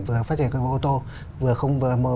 vừa phát triển công an ô tô vừa không